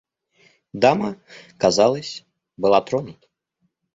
Дама, казалось, была тронута.